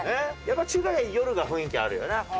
やっぱり中華街夜が雰囲気あるよな。